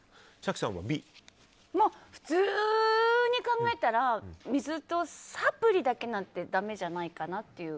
普通に考えたら水とサプリだけなんてだめじゃないかなっていう。